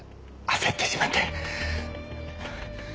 焦ってしまって。